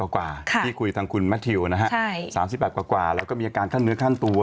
กว่าที่คุยทางคุณแมททิวนะฮะ๓๘กว่าแล้วก็มีอาการขั้นเนื้อขั้นตัว